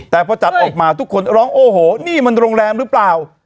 แต่พอจัดออกมาทุกคนร้องโอ้โหนี่มันโรงแรมหรือเปล่า